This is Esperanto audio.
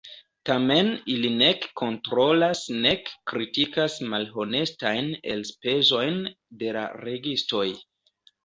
Tamen ili nek kontrolas nek kritikas malhonestajn elspezojn de la registoj.